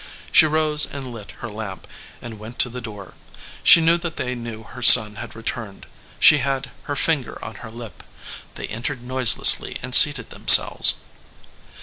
She rose and lit her lamp, and went to the door. She knew that they knew her son had re turned. She had her finger on her lip. They en tered noiselessly and seated themselves.